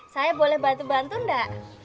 saya boleh bantu bantu enggak